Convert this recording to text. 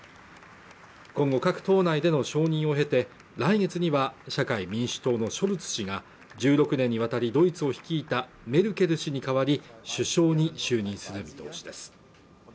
今後各党内での承認を経て来月には社会民主党のショルツ氏が１６年にわたりドイツを率いたメルケル氏に代わり首相に就任する見通しです